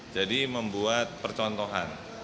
jadi membuat percontohan